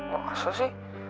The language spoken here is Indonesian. gak asal sih